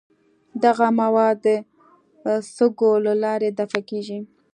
دغه مواد د سږو له لارې دفع کیږي.